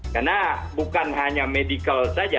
karena bukan hanya medical saja